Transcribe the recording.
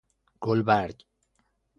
گلبرگ